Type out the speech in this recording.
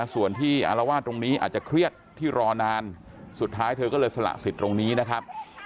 ส่วนที่อารวาสตรงนี้อาจจะเครียดที่รอนานสุดท้ายเธอก็เลยสละสิทธิ์ตรงนี้นะครับ